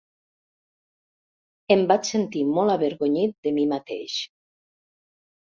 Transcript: Em vaig sentir molt avergonyit de mi mateix.